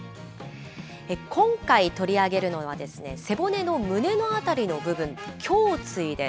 今回取り上げるのは、背骨の胸の辺りの部分、胸椎です。